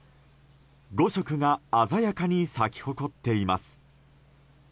５色が鮮やかに咲き誇っています。